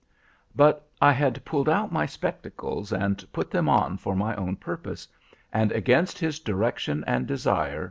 "But I had pulled out my spectacles, and put them on for my own purpose, and against his direction and desire.